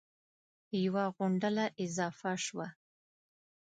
یوه غونډله اضافه شوه